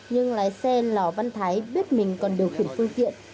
nhưng lái xe lò văn thái biết mình còn điều khiển phương tiện